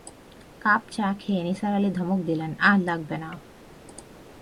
Cup চা খেয়ে নিসার আলি ধমক দিলেন আর লাগবে না।